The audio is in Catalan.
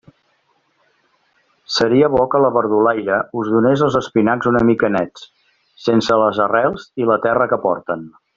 Seria bo que la verdulaire us donés els espinacs una mica nets, sense les arrels i la terra que porten.